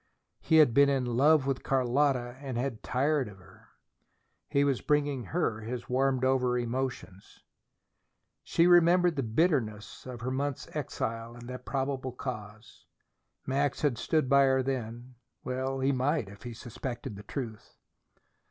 He had been in love with Carlotta and had tired of her. He was bringing her his warmed over emotions. She remembered the bitterness of her month's exile, and its probable cause. Max had stood by her then. Well he might, if he suspected the truth.